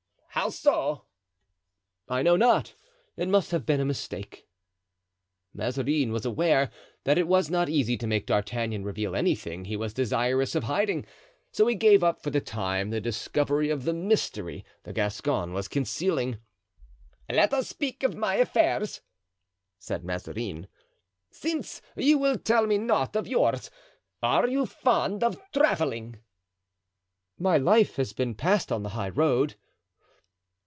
"How so?" "I know not; it must have been a mistake." Mazarin was aware that it was not easy to make D'Artagnan reveal anything he was desirous of hiding, so he gave up, for the time, the discovery of the mystery the Gascon was concealing. "Let us speak of my affairs," said Mazarin, "since you will tell me naught of yours. Are you fond of traveling?" "My life has been passed on the high road."